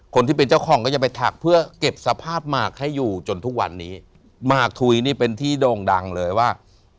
คนที่เป็นเจ้าของก็จะไปถักเพื่อเก็บสภาพหมากให้อยู่จนทุกวันนี้หมากถุยนี่เป็นที่โด่งดังเลยว่า